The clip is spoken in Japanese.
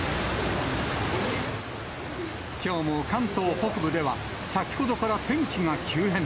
きょうも関東北部では、先ほどから天気が急変。